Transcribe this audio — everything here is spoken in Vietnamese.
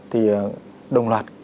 thì đồng loạt